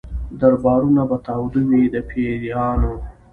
دربارونه به تاوده وي د پیرانو